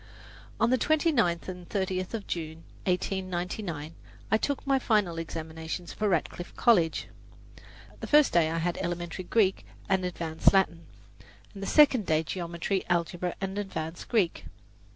On the 29th and 30th of June, 1899, I took my final examinations for Radcliffe College. The first day I had Elementary Greek and Advanced Latin, and the second day Geometry, Algebra and Advanced Greek.